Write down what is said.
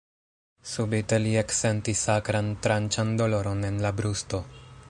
Subite li eksentis akran, tranĉan doloron en la brusto.